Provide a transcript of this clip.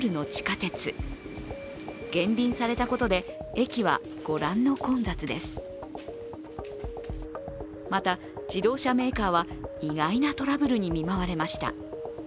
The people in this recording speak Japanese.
一方でまた、自動車メーカーは意外なトラブルに見舞われました。